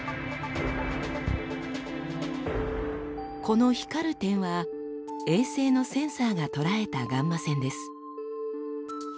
この光る点は衛星のセンサーが捉えたガンマ線です。